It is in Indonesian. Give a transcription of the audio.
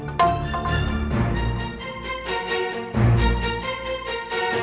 especially kalau kami cuma menjadi orang tua